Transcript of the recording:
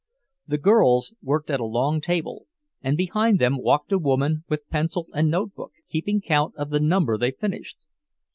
The girls worked at a long table, and behind them walked a woman with pencil and notebook, keeping count of the number they finished.